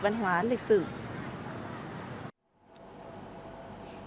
tiếp theo là một trang lịch sử hào hùng của dân tộc